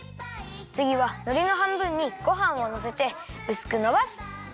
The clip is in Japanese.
つぎはのりのはんぶんにごはんをのせてうすくのばす！